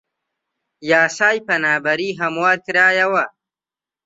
یاسای پەنابەری هەموار کرایەوە